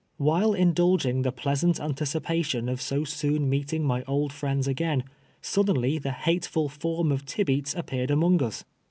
While indulging the pleasant antieii)ation of so soon meeting my old friends again, suddenly the luiteful ft)rm of Tibeats appeared among us.